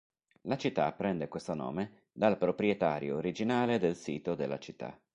La città prende questo nome dal proprietario originale del sito della città.